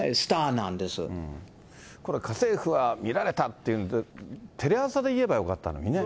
これ家政婦は見られたっていう、テレ朝で言えばよかったのにね。